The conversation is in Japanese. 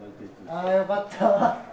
ああよかった！